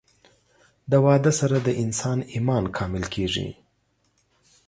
د واده سره د انسان ايمان کامل کيږي